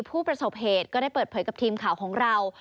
ผู้ประสบเหตุก็ได้เปิดเผยกับทีมข่าวของเรา